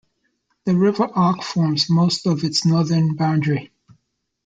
The River Ock forms most of its northern boundary.